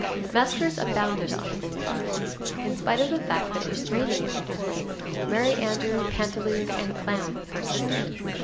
Maskers abounded on the boulevard. In spite of the fact that it was raining at intervals, Merry Andrew, Pantaloon and Clown persisted.